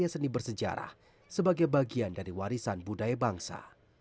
seni bersejarah sebagai bagian dari warisan budaya bangsa